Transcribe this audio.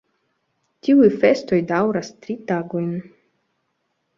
Tiuj festoj daŭras tri tagojn.